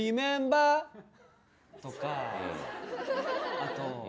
あと。